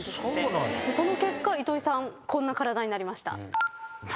その結果糸井さんこんな体になりました。